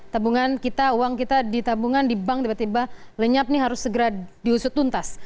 tabungan kita uang kita ditabungan di bank tiba tiba lenyap ini harus segera diusut tuntas